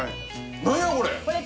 何やこれ！